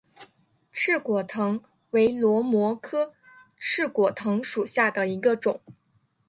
翅果藤为萝藦科翅果藤属下的一个种。